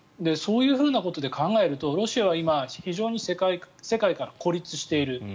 そういうふうなことで考えるとロシアは今、世界から孤立している。